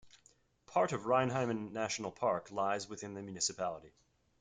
Part of Reinheimen National Park lies within the municipality.